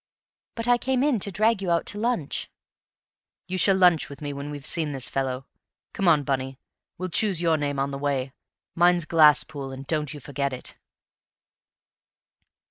"But I came in to drag you out to lunch." "You shall lunch with me when we've seen this fellow. Come on, Bunny, and we'll choose your name on the way. Mine's Glasspool, and don't you forget it."